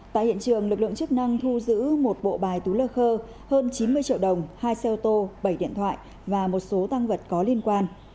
tại hiện trường lực lượng chức năng thu giữ một bộ bài tú lơ khơ hơn chín mươi triệu đồng hai xe ô tô bảy điện thoại và một số tăng vật có liên quan